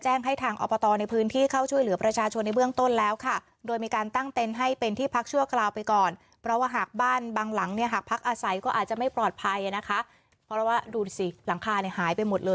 ปีนออกไปแล้วอีกตัวนี้คือกันค่ะ